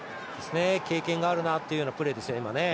経験があるなというプレーですね。